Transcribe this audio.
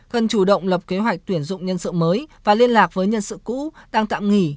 cần chủ động lập kế hoạch tuyển dụng nhân sự mới và liên lạc với nhân sự cũ đang tạm nghỉ